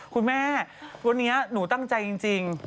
คุณแม่วันนี้หนูตั้งใจจริง